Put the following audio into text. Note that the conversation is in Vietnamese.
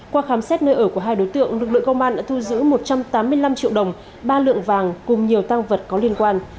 qua khám xét nơi ở của hai đối tượng lực lượng công an đã thu giữ một trăm tám mươi năm triệu đồng ba lượng vàng cùng nhiều tăng vật có liên quan